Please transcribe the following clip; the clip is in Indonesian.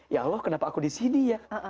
ya allah kenapa aku di sini ya